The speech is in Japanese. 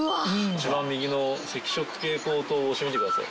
一番右の赤色蛍光灯を押してみてください。